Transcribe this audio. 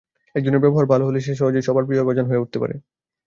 একজনের ব্যবহার ভালো হলে সে সহজেই সবার প্রিয়ভাজন হয়ে উঠতে পারে।